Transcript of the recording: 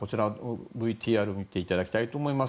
ＶＴＲ見ていただきたいと思います。